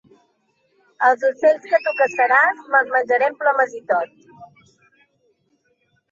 Els ocells que tu caçaràs, me'ls menjaré amb plomes i tot.